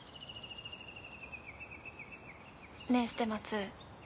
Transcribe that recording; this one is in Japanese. ねえ捨松。